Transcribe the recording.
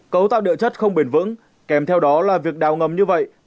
cấu tạo địa chất không bền vững kèm theo đó là việc đào ngầm như vậy